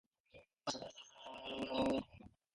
Section is located on top of Sand Mountain.